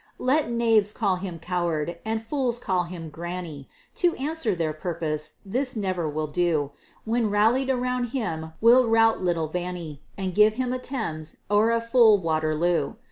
Let knaves call him "coward," and fools call him "granny" To answer their purpose this never will do; When rallied around him we'll rout little Vanny, And give him a Thames or a full Waterloo.